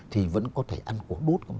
thì vẫn có thể ăn cuốn bút